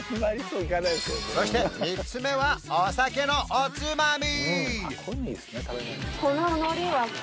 そして３つ目はお酒のおつまみ！